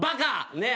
ねえ。